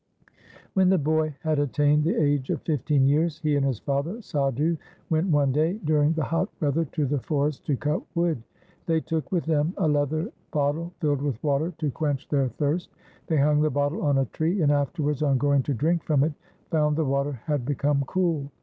When the boy had attained the age of fifteen years, he and his father Sadhu went one day during the hot weather to the forest to cut wood. They took with them a leather bottle filled with water to quench their thirst. They hung the bottle on a tree, and afterwards, on going to drink from it, found the water had become cool.